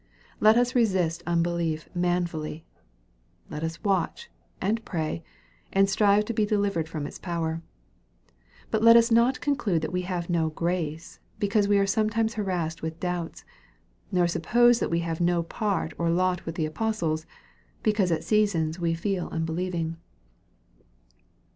Let us resist unbelief manfully. Let us watch, and pray, and strive to be delivered from its power. But let us not conclude that we have no grace, because we are sometimes harassed with doubts, nor suppose that we have no part or lot with the apostles, because at seasons we feel unbelieving.